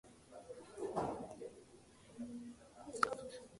The song featured his daughter Blue Ivy Carter.